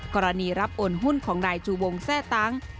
กรณีรับโอนหุ้นของนายจูวงแทร่ตั้ง